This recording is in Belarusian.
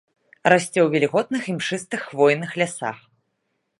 Расце ў вільготных імшыстых хвойных лясах.